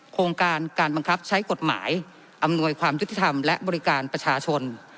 โครงการการบังคับใช้กฎหมายอำนวยความยุติธรรมและบริการประชาชน